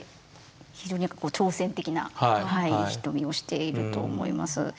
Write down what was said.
非常に挑戦的な瞳をしていると思います。